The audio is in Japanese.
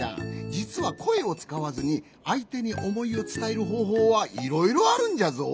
じつはこえをつかわずにあいてにおもいをつたえるほうほうはいろいろあるんじゃぞ。